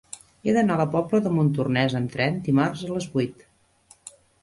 He d'anar a la Pobla de Montornès amb tren dimarts a les vuit.